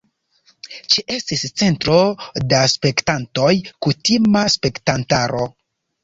Ĉeestis cento da spektantoj kutima spektantaro.